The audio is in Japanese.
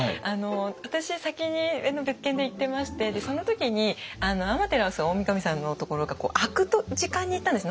私先に別件で行ってましてその時に天照大神さんのところが開く時間に行ったんですね。